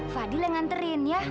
fadhil yang nganterin ya